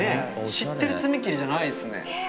知ってる爪切りじゃないですね。